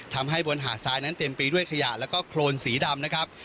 ทำให้บนหาดทรายนั้นเต็มไปด้วยขยะแล้วก็โครนสีดำนะครับ